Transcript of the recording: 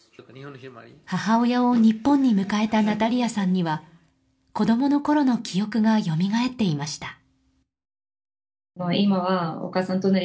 母親を日本に迎えたナタリアさんには子供のころの記憶がよみがえっていました。